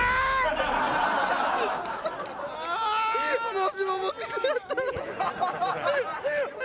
もしもボックスやった。